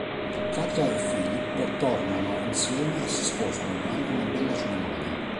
Katja e Philipp tornano insieme e si sposano durante una bella cerimonia.